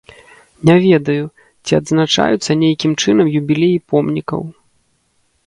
Не ведаю, ці адзначаюцца нейкім чынам юбілеі помнікаў.